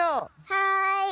はい。